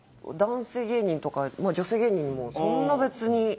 男性芸人とかまあ女性芸人にもそんな別に。